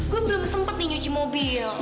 gue belum sempat nih nyuci mobil